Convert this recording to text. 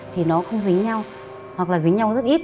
thì nó không dính nhau hoặc là dính nhau rất ít